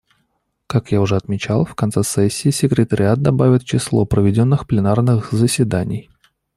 Как я уже отмечал, в конце сессии секретариат добавит число проведенных пленарных заседаний.